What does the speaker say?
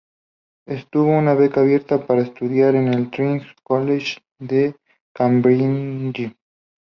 Obtuvo una beca abierta para estudiar en el Trinity College de Cambridge.